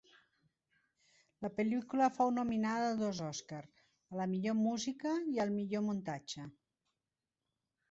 La pel·lícula fou nominada a dos Oscar, a la millor música, i al millor muntatge.